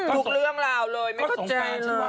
ถูกเรื่องราวเลยไม่เข้าใจเลย